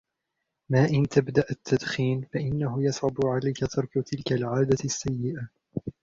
ما إنْ تبدأ التدخين ، فإنه يصعب عليك ترك تلك العادة السيئة.